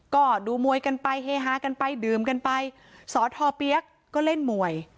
ก็ดูมวยกันไปเฮฮากันไปดื่มกันไปสอทอเปี๊ยกก็เล่นมวย